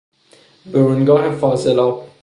برونگاه فاضلاب